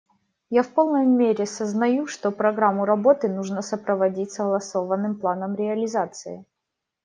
Я в полной мере сознаю, что программу работы нужно сопроводить согласованным планом реализации.